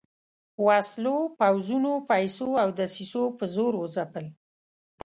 وسلو، پوځونو، پیسو او دسیسو په زور وځپل.